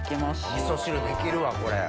味噌汁できるわこれ。